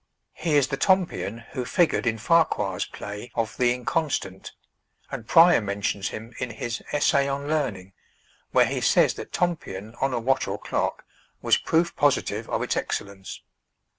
He is the Tompion who figured in Farquhar's play of "The Inconstant;" and Prior mentions him in his "Essay on Learning," where he says that Tompion on a watch or clock was proof positive of its excellence.